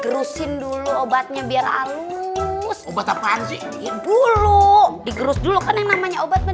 gerusin dulu obatnya biar alus obat apaan sih buruk digerus dulu kan yang namanya obatnya